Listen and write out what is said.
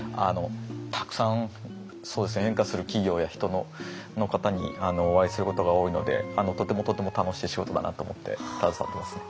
たくさん変化する企業や人のの方にお会いすることが多いのでとてもとても楽しい仕事だなと思って携わってますね。